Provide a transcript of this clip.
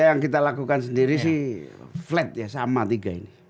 yang kita lakukan sendiri sih flat ya sama tiga ini